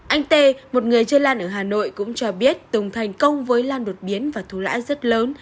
anh tê một người chơi lan ở hà nội cũng cho biết tùng thành công với lan đột biến và thu lãi rất lớn